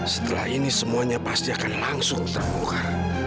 setelah ini semuanya pasti akan langsung terbongkar